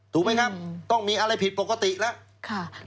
ถูกไหมครับต้องมีอะไรผิดปกติแล้ว